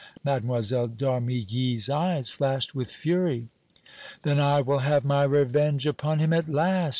Mlle. d'Armilly's eyes flashed with fury. "Then I will have my revenge upon him at last!"